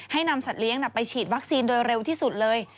นำสัตว์เลี้ยงไปฉีดวัคซีนโดยเร็วที่สุดเลย